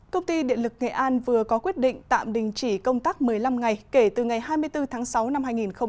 công ty điện lực nghệ an vừa có quyết định tạm đình chỉ công tác một mươi năm ngày kể từ ngày hai mươi bốn tháng sáu năm hai nghìn hai mươi